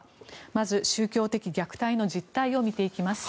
まず、宗教的虐待の実態を見ていきます。